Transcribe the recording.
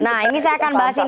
nah ini saya akan bahas ini